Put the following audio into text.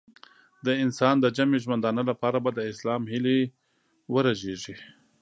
د انسان د جمعي ژوندانه لپاره به د اسلام هیلې ورژېږي.